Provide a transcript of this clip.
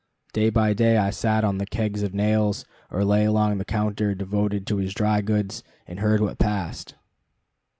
Day by day I sat on the kegs of nails, or lay along the counter devoted to his dry goods, and heard what passed.